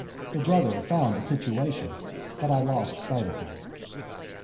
Her brother found a situation, but I lost sight of him.